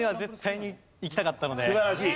素晴らしい。